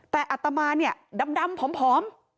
แต่อัตมาดำผอม